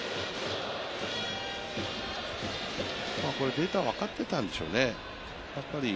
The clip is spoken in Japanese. データ分かってたんでしょうね。